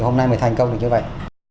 hôm nay mới thành công được như vậy